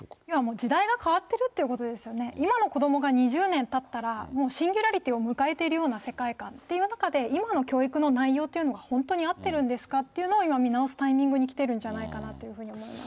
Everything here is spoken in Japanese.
時代が変わってるということですよね、今の子どもたちが２０年たったら、もうシンギュラリティを迎えているような世界観、そういう中で今の教育の内容というのが本当に合ってるんですかというのを今、見直すタイミングに来てるんじゃないかと思います。